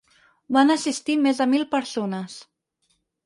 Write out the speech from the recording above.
Van assistir més de mil persones.